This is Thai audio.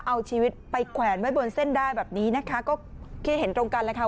เอาชีวิตไปแขวนไว้บนเส้นได้แบบนี้นะคะก็คือเห็นตรงกันแหละค่ะ